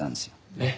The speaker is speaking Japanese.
えっ。